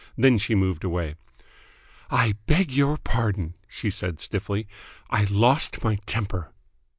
Then she moved away. "I beg your pardon," she said stiffly. "I lost my temper."